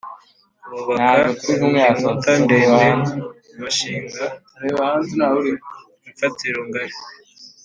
bubaka inkuta ndende, bashinga imfatiro ngari